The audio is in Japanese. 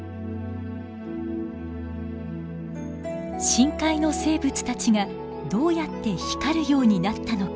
深海の生物たちがどうやって光るようになったのか。